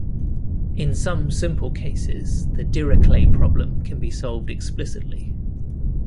In some simple cases the Dirichlet problem can be solved explicitly.